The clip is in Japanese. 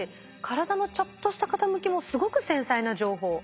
体のちょっとした傾きもすごく繊細な情報。